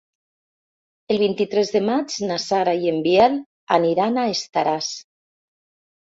El vint-i-tres de maig na Sara i en Biel aniran a Estaràs.